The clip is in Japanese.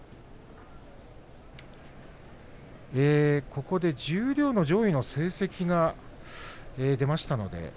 ここで十両の上位の成績が出ました。